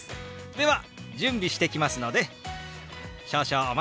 では準備してきますので少々お待ちください。